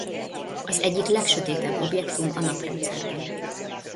Az egyik legsötétebb objektum a Naprendszerben.